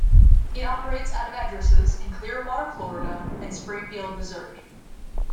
It operates out of addresses in Clearwater, Florida, and Springfield, Missouri.